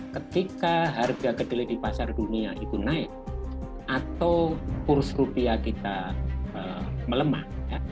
ketika harga kedelai di pasar dunia itu naik atau kurs rupiah kita melemah